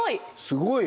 すごい。